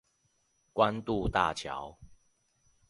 關渡大橋